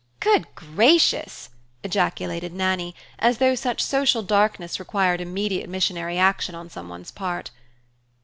"Good gracious!" ejaculated Nannie, as though such social darkness required immediate missionary action on some one's part.